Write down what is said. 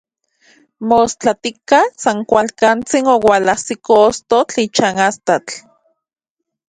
Mostlatika, san kualkantsin oualajsiko ostotl ichan astatl.